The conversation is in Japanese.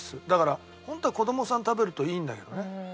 だからホントは子供さん食べるといいんだけどね。